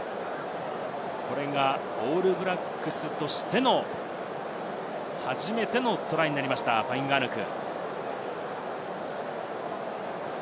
これがオールブラックスとしての初めてのトライとなりました、ファインガアヌク。